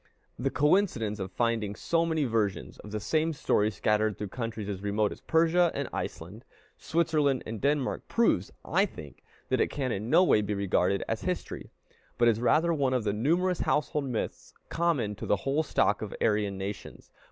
The coincidence of finding so many versions of the same story scattered through countries as remote as Persia and Iceland, Switzerland and Denmark, proves, I think, that it can in no way be regarded as history, but is rather one of the numerous household myths common to the whole stock of Aryan nations.